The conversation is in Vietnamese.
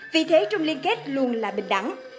vì thế trong liên kết luôn là bình đẳng